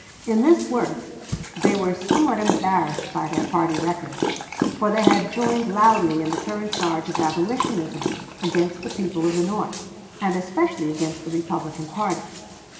In this work they were somewhat embarrassed by their party record, for they had joined loudly in the current charge of "abolitionism" against the people of the North, and especially against the Republican party.